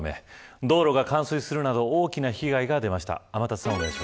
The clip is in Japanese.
道路が冠水するなど、大きな被害が出ました。